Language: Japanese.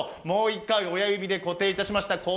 もう１回、親指で固定いたしました。